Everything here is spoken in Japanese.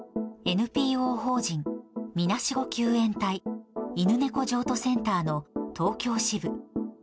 ＮＰＯ法人みなしご救援隊犬猫譲渡センターの東京支部。